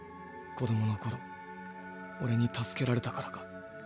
子供の頃オレに助けられたからか？